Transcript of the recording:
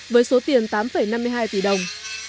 với số tiền tám năm mươi hai tỷ đồng